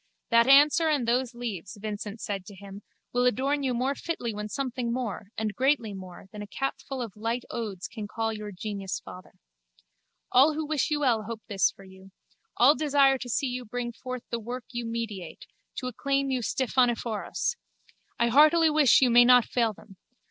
That answer and those leaves, Vincent said to him, will adorn you more fitly when something more, and greatly more, than a capful of light odes can call your genius father. All who wish you well hope this for you. All desire to see you bring forth the work you meditate, to acclaim you Stephaneforos. I heartily wish you may not fail them.